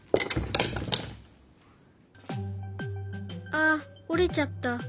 あっ折れちゃった。